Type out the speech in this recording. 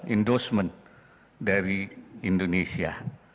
indosmen dari indonesia